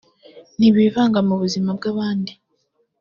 ntibivanga mu buzima bw’abandi